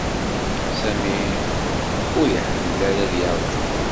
Sami ur iḥemmel ara ad yeṛju.